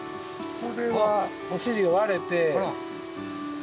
これはお尻割れて。